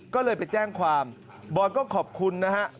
ก็เลยไปแจ้งความบอยก็ขอบคุณนะฮะ